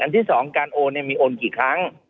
อันที่สองการโอนเนี่ยมีโอนกี่ครั้ง